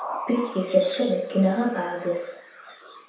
ბიჭი ისე სცემეს, კინაღამ აადეს.